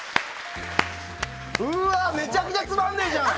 うわあ、めちゃくちゃつまんねえじゃん！